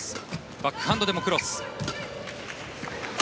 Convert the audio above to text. バックハンドでもクロス。